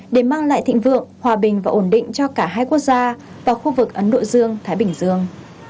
để mang lại thịnh vượng hòa bình và ổn định cho cả hai quốc gia và khu vực ấn độ dương thái bình dương